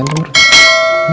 oke terima kasih ma